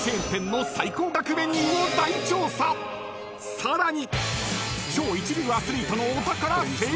［さらに］